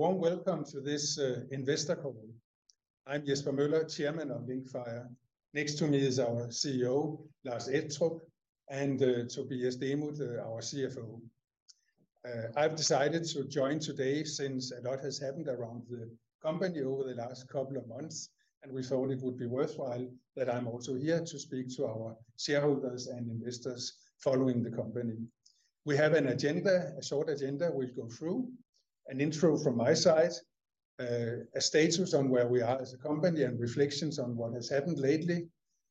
A warm welcome to this investor call. I'm Jesper Møller, Chairman of Linkfire. Next to me is our CEO, Lars Ettrup, and Tobias Demuth, our CFO. I've decided to join today since a lot has happened around the company over the last couple of months, and we thought it would be worthwhile that I'm also here to speak to our shareholders and investors following the company. We have an agenda, a short agenda we'll go through. An intro from my side, a status on where we are as a company and reflections on what has happened lately,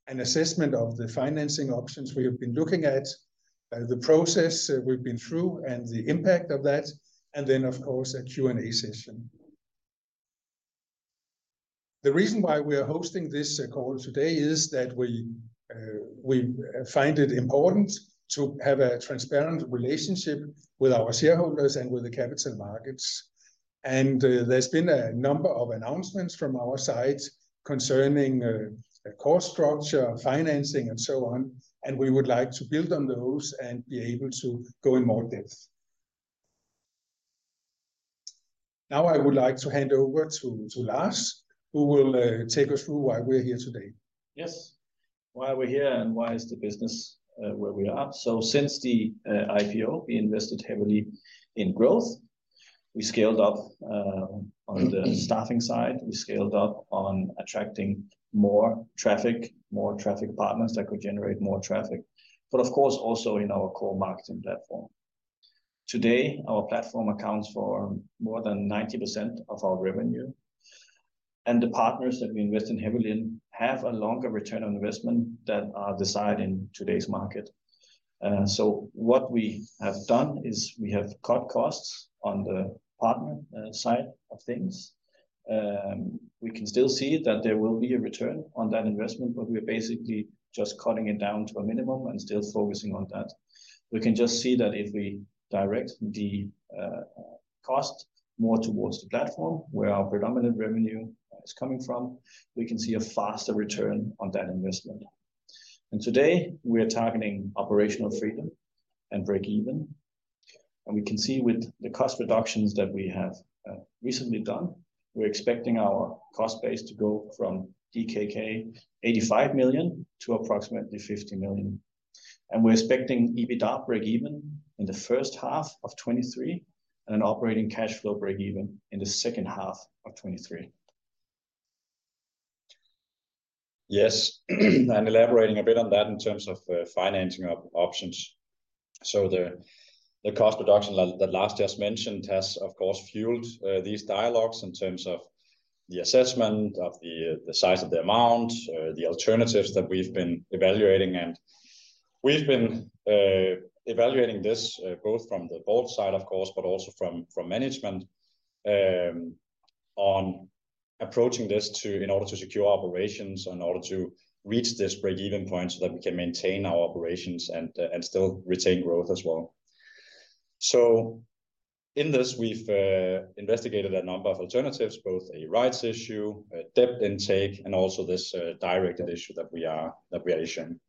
an assessment of the financing options we have been looking at, the process we've been through and the impact of that, and then, of course, a Q&A session. The reason why we are hosting this call today is that we find it important to have a transparent relationship with our shareholders and with the capital markets. There's been a number of announcements from our side concerning cost structure, financing, and so on, and we would like to build on those and be able to go in more depth. Now, I would like to hand over to Lars, who will take us through why we're here today. Yes. Why are we here, and why is the business where we are? Since the IPO, we invested heavily in growth. We scaled up on the staffing side. We scaled up on attracting more traffic, more traffic partners that could generate more traffic. Of course, also in our core marketing platform. Today, our platform accounts for more than 90% of our revenue. The partners that we invest in heavily have a longer return on investment than are dictated in today's market. What we have done is we have cut costs on the partner side of things. We can still see that there will be a return on that investment, but we're basically just cutting it down to a minimum and still focusing on that. We can just see that if we direct the cost more towards the platform where our predominant revenue is coming from, we can see a faster return on that investment. Today, we are targeting operational freedom and break even. We can see with the cost reductions that we have recently done, we're expecting our cost base to go from DKK 85 million to approximately 50 million. We're expecting EBITDA break even in the H1 of 2023 and an operating cash flow break even in the H2 of 2023. Yes. Elaborating a bit on that in terms of financing options. The cost reduction that Lars just mentioned has, of course, fueled these dialogues in terms of the assessment of the size of the amount, the alternatives that we've been evaluating. We've been evaluating this both from the board side, of course, but also from management on approaching this in order to secure operations, in order to reach this break-even point, so that we can maintain our operations and still retain growth as well. In this, we've investigated a number of alternatives, both a rights issue, a debt intake, and also this directed issue that we are issuing.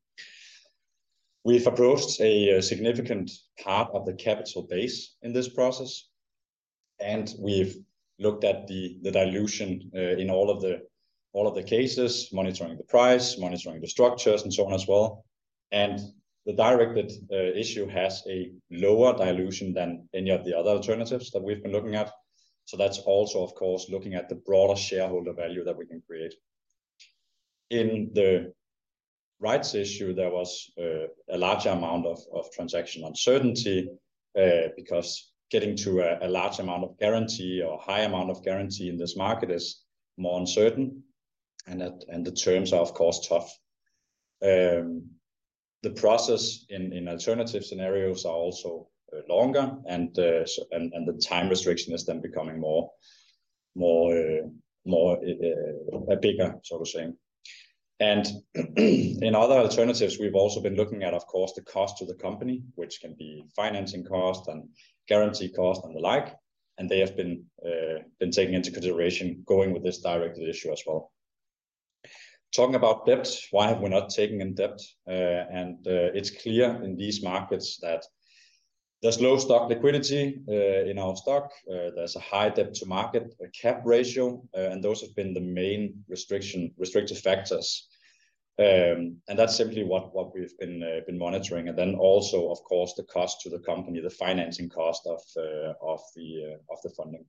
We've approached a significant part of the capital base in this process, and we've looked at the dilution in all of the cases, monitoring the price, monitoring the structures, and so on as well. The directed issue has a lower dilution than any of the other alternatives that we've been looking at. That's also, of course, looking at the broader shareholder value that we can create. In the rights issue, there was a large amount of transaction uncertainty because getting to a large amount of guarantee or high amount of guarantee in this market is more uncertain, and the terms are, of course, tough. The process in alternative scenarios are also longer, and the time restriction is then becoming more bigger, so to say. In other alternatives, we've also been looking at, of course, the cost to the company, which can be financing cost and guarantee cost and the like, and they have been taken into consideration going with this directed issue as well. Talking about debt, why have we not taken in debt? It's clear in these markets that there's low stock liquidity in our stock. There's a high debt to market cap ratio, and those have been the main restrictive factors. That's simply what we've been monitoring. Of course, the cost to the company, the financing cost of the funding.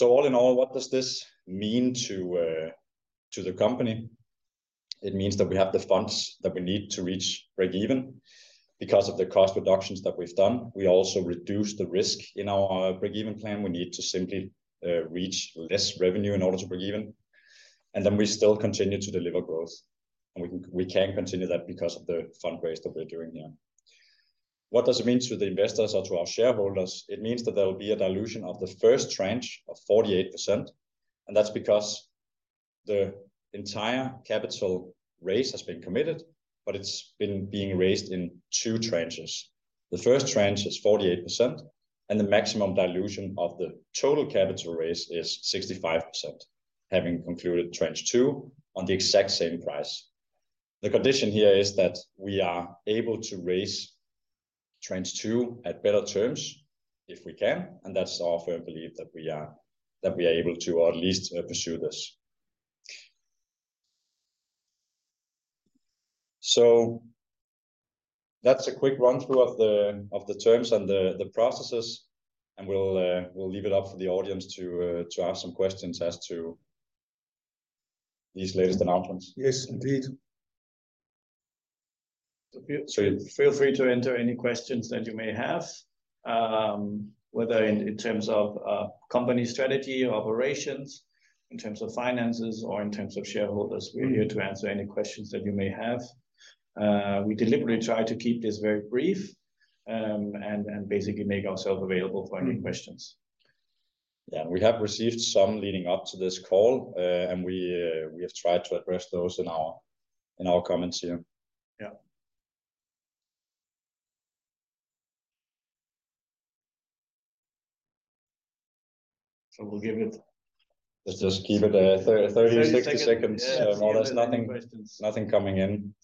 All in all, what does this mean to the company? It means that we have the funds that we need to reach break even. Because of the cost reductions that we've done, we also reduce the risk in our break-even plan. We need to simply reach less revenue in order to break even. We still continue to deliver growth, and we can continue that because of the fundraise that we're doing here. What does it mean to the investors or to our shareholders? It means that there will be a dilution of the first tranche of 48%, and that's because the entire capital raise has been committed, but it's been being raised in two tranches. The first tranche is 48%, and the maximum dilution of the total capital raise is 65%. Having concluded tranche two on the exact same price. The condition here is that we are able to raise tranche two at better terms if we can, and that's our firm belief that we are able to or at least pursue this. That's a quick run-through of the terms and the processes, and we'll leave it up for the audience to ask some questions as to these latest announcements. Yes, indeed. Feel free to enter any questions that you may have, whether in terms of company strategy or operations, in terms of finances, or in terms of shareholders. Mm-hmm. We're here to answer any questions that you may have. We deliberately tried to keep this very brief, and basically make ourselves available for any questions. Yeah, we have received some leading up to this call, and we have tried to address those in our comments here. Yeah. We'll give it. Let's just keep it at 30-60 seconds. 30 seconds, yeah. If there's nothing. Any questions? Nothing coming in.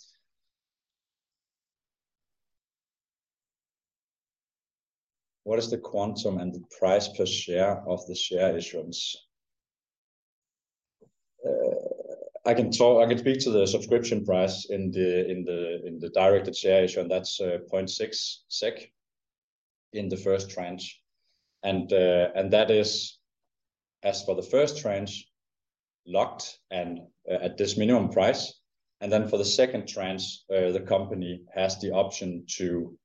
What is the quantum and the price per share of the share issuance? I can speak to the subscription price in the directed issue, and that's 0.6 SEK in the first tranche. That is, as for the first tranche, locked at this minimum price. Then for the second tranche, the company has the option to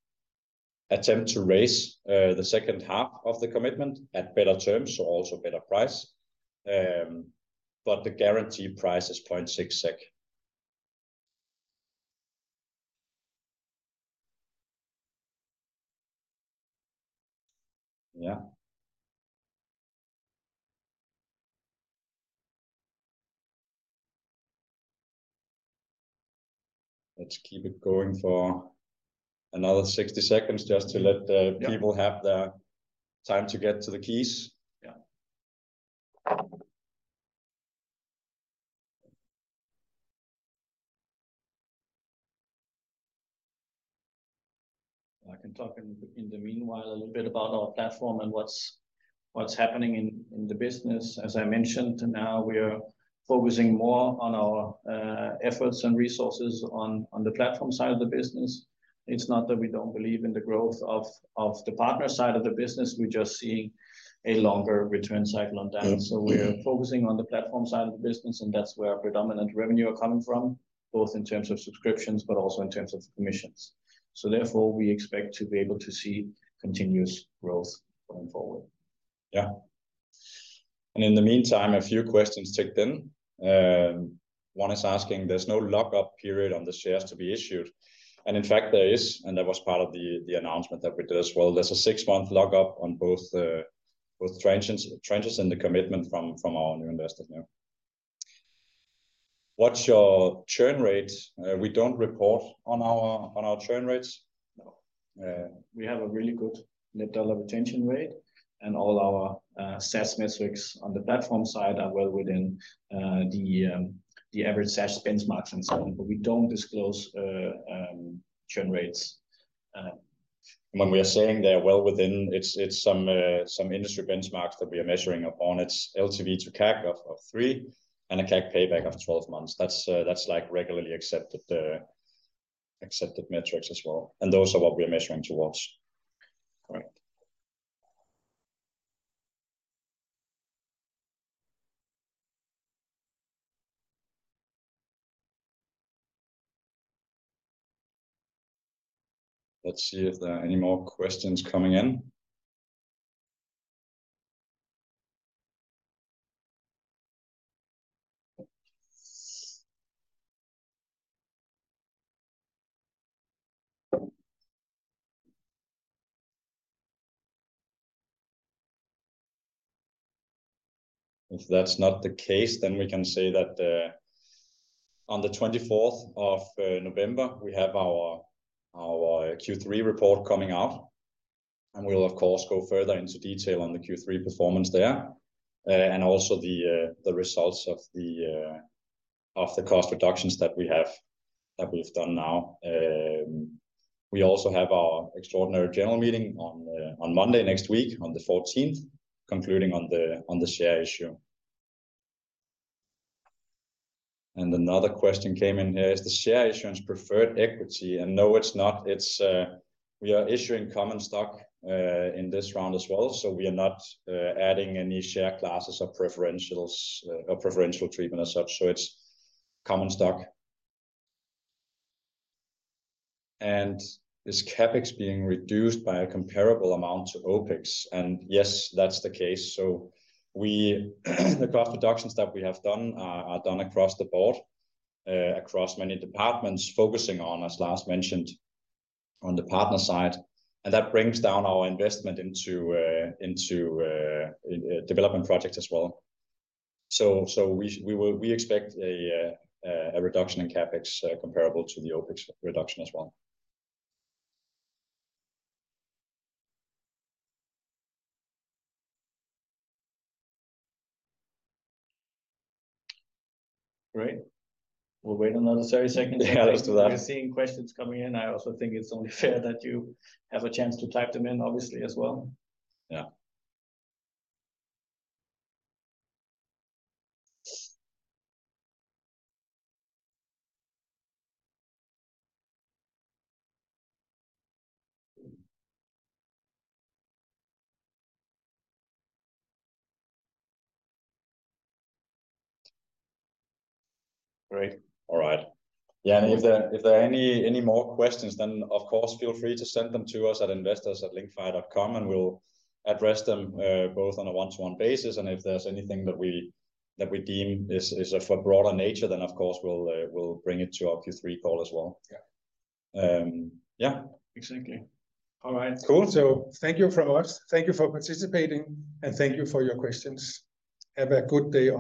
attempt to raise the H2 of the commitment at better terms, so also better price. The guaranteed price is 0.6 SEK. Yeah. Let's keep it going for another 60 seconds just to let- Yeah. The people have the time to get to the keys. Yeah. I can talk in the meanwhile a little bit about our platform and what's happening in the business. As I mentioned, now we are focusing more on our efforts and resources on the platform side of the business. It's not that we don't believe in the growth of the partner side of the business, we're just seeing a longer return cycle on that. We're focusing on the platform side of the business, and that's where our predominant revenue are coming from, both in terms of subscriptions, but also in terms of commissions. Therefore, we expect to be able to see continuous growth going forward. Yeah. In the meantime, a few questions ticked in. One is asking, there's no lock-up period on the shares to be issued. In fact, there is, and that was part of the announcement that we did as well. There's a six-month lock-up on both tranches and the commitment from our new investor now. What's your churn rate? We don't report on our churn rates. No. We have a really good net dollar retention rate, and all our SaaS metrics on the platform side are well within the average SaaS benchmarks and so on. We don't disclose churn rates. When we are saying they are well within, it's some industry benchmarks that we are measuring upon. It's LTV to CAC of 3, and a CAC payback of 12 months. That's like regularly accepted metrics as well, and those are what we are measuring towards. Correct. Let's see if there are any more questions coming in. If that's not the case, then we can say that on the twenty-fourth of November, we have our Q3 report coming out, and we'll of course go further into detail on the Q3 performance there. Also the results of the cost reductions that we have, that we've done now. We also have our extraordinary general meeting on Monday next week, on the fourteenth, concluding on the share issue. Another question came in here. Is the share issuance preferred equity? No, it's not. It's. We are issuing common stock in this round as well, so we are not adding any share classes or preferentials or preferential treatment as such, so it's common stock. Is CapEx being reduced by a comparable amount to OpEx? Yes, that's the case. The cost reductions that we have done are done across the board, across many departments, focusing on, as Lars mentioned, on the partner side. That brings down our investment into development projects as well. We expect a reduction in CapEx comparable to the OpEx reduction as well. Great. We'll wait another 30 seconds. Yeah, let's do that. If we're seeing questions coming in, I also think it's only fair that you have a chance to type them in, obviously, as well. Yeah. Great. All right. Yeah, if there are any more questions, then of course feel free to send them to us at investors@linkfire.com, and we'll address them both on a one-to-one basis, and if there's anything that we deem is of a broader nature, then of course we'll bring it to our Q3 call as well. Yeah. Yeah. Exactly. All right. Cool. Thank you from us. Thank you for participating, and thank you for your questions. Have a good day all.